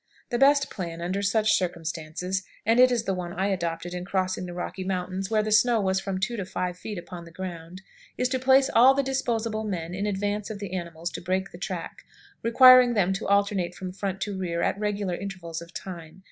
The best plan, under such circumstances (and it is the one I adopted in crossing the Rocky Mountains, where the snow was from two to five feet upon the ground), is to place all the disposable men in advance of the animals to break the track, requiring them to alternate from front to rear at regular intervals of time.